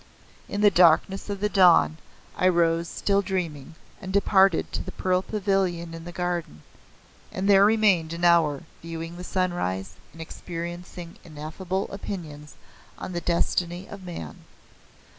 In the darkness of the dawn I rose still dreaming, and departed to the Pearl Pavilion in the garden, and there remained an hour viewing the sunrise and experiencing ineffable opinions on the destiny of man.